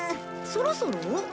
そろそろ？